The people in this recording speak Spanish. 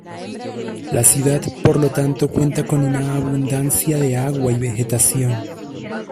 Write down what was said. La ciudad, por lo tanto, cuenta con una abundancia de agua y vegetación.